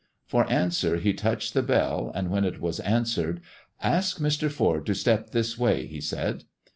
For answer he touched the bell, and when it was an swered, " Aek Mr. Foi d to step this way," he said.